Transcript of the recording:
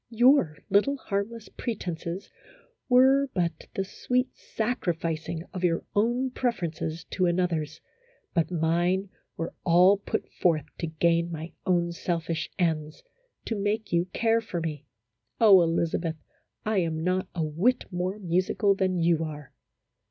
Your little, harmless pretenses were but the sweet sacrificing of your own preferences to another's, but mine were all put forth to gain my own selfish ends, to make you care for me. Oh, Elizabeth, I am not a whit more musical than you are